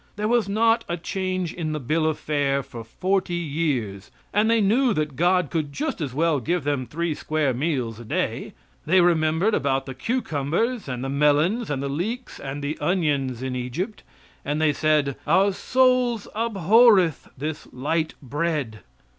There was not a change in the bill of fare for forty years, and they knew that God could just as well give them three square meals a day. They remembered about the cucumbers, and the melons, and the leeks and the onions of Egypt, and they said: "Our souls abhorreth this light bread."